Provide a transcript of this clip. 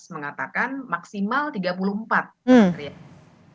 mengatakan maksimal tiga puluh empat kementerian